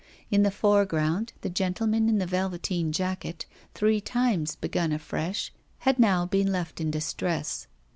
In the foreground, the gentleman in the velveteen jacket, three times begun afresh, had now been left in distress.